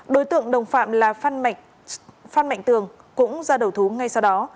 đối tượng đồng phạm là phan mạnh tường cũng ra đầu thú ngay sau đó